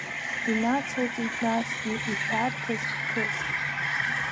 Инацылҵеит насгьы ишәарҭаз хҭыск.